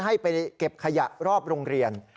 ให้ไปเก็บขยะรอบโรงเรียน